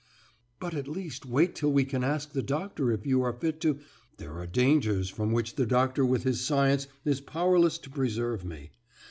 "But at least, wait till we can ask the doctor if you are fit to " "There are dangers from which the doctor with his science is powerless to preserve me.